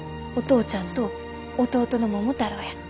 お父ちゃんと弟の桃太郎や。